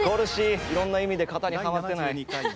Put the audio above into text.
いろんな意味で型にハマってない。